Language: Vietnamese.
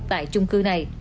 tại chung cư này